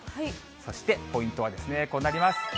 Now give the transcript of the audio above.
そして、ポイントはこうなります。